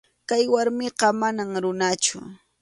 Kay warmiqa manam runachu.